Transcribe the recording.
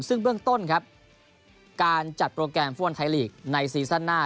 ซึ่งเบื้องต้นครับการจัดโปรแกรมฟุตบอลไทยลีกในซีซั่นหน้า